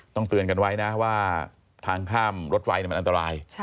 เตือนกันไว้นะว่าทางข้ามรถไฟมันอันตราย